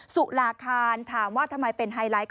สุราคารถามว่าทำไมเป็นไฮไลท์